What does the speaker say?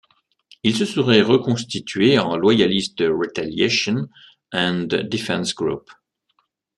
Il se serait reconstitué en Loyalist Retaliation and Defence Group.